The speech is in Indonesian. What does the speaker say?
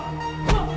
kalian gak akan nyesel